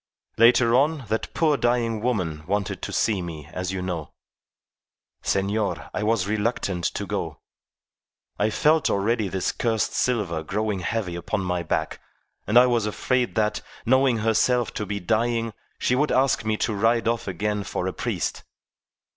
Later on, that poor dying woman wanted to see me, as you know. Senor, I was reluctant to go. I felt already this cursed silver growing heavy upon my back, and I was afraid that, knowing herself to be dying, she would ask me to ride off again for a priest.